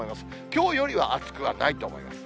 きょうよりは暑くはないと思います。